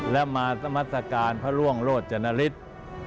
และมาสมัศกาลพระร่วงโรจนฤทธิ์